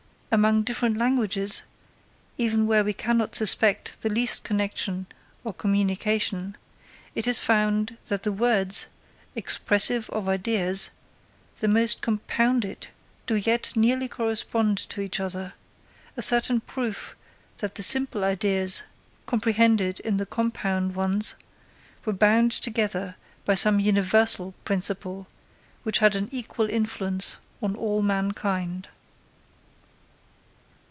Among different languages, even where we cannot suspect the least connexion or communication, it is found, that the words, expressive of ideas, the most compounded, do yet nearly correspond to each other: a certain proof that the simple ideas, comprehended in the compound ones, were bound together by some universal principle, which had an equal influence on all mankind.